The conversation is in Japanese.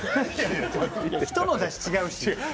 人のだし、違うし。